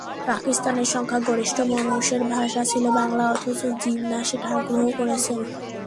পাকিস্তানের সংখ্যাগরিষ্ঠ মানুষের ভাষা ছিল বাংলা, অথচ জিন্নাহ সেটা অগ্রাহ্য করেছেন।